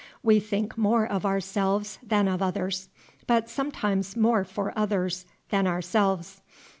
We think more of ourselves than of others, but sometimes more for others than ourselves.